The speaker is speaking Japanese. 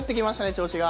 調子が。